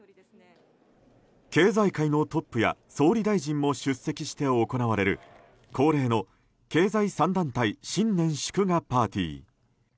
経済界のトップや総理大臣も出席して行われる恒例の経済３団体新年祝賀パーティー。